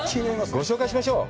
ご紹介しましょう。